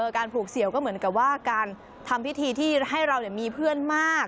การปลูกเสี่ยวก็เหมือนกับว่าการทำพิธีที่ให้เรามีเพื่อนมาก